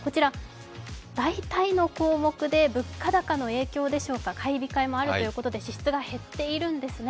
大体の項目で物価高の影響でしょうか、買い控えもあるということで支出が減っているんですね。